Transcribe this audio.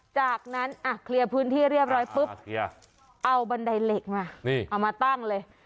จากนั้นเคลียร์พื้นที่เรียบร้อยปุ๊บเอาบันไดเหล็กมานี่เอามาตั้งเลย